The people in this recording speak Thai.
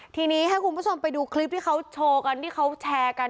ทีนี้ให้คุณผู้ชมไปดูคลิปที่เขาโชว์กันที่เขาแชร์กัน